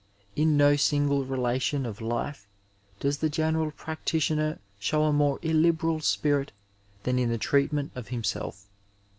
In no single relation of life does the general practitioner show a more illiberal spirit than in the treatment of him self.